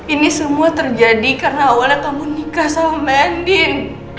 ini semua terjadi karena awalnya kamu nikah sama andin